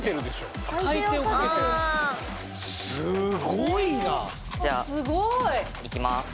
すごい！じゃあいきます。